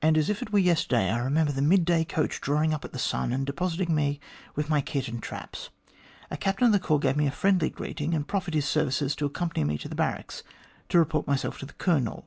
As if it were yesterday, I remember the mid day coach drawing up at 'The Sun,' and depositing me with kit and traps. A captain of the corps gave me a friendly greeting, and preferred his services to accompany me to the barracks to report myself to the Colonel.